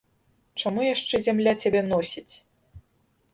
Чаму яшчэ зямля цябе носіць?